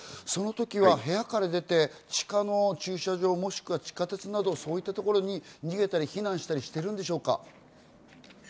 その時は部屋から出て地下の駐車場、もしくは地下鉄などそういったところに逃げたり、避難したりしているんでしょうか？